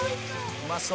「うまそう！」